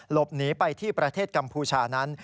หลบหนีไปที่ประเทศกัมพูชานั้น